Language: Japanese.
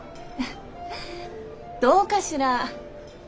フッどうかしら？